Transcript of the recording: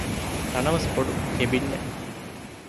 ތަނަވަސް ބޮޑު ކެބިންއެއް